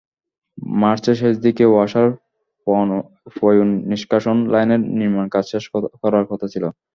মার্চের শেষ দিকে ওয়াসার পয়োনিষ্কাশন লাইনের নির্মাণকাজ শেষ করার কথা ছিল।